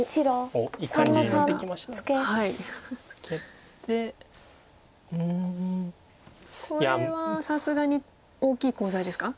これはさすがに大きいコウ材ですか？